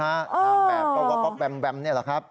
นางแบบว๊อบว๊อบแวมแวมนี่หรือครับ